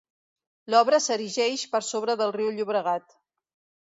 L'obra s'erigeix per sobre del riu Llobregat.